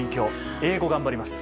英語、頑張ります。